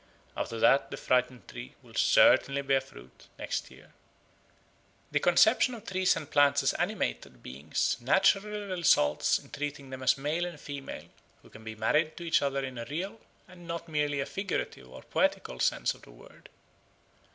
After that the frightened tree will certainly bear fruit next year. The conception of trees and plants as animated beings naturally results in treating them as male and female, who can be married to each other in a real, and not merely a figurative or poetical, sense of the word.